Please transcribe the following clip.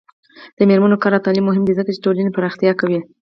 د میرمنو کار او تعلیم مهم دی ځکه چې ټولنې پراختیا کوي.